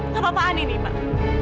tak apa apaan ini pak